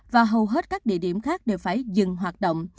và hầu hết các địa điểm khác đều phải dừng hoạt động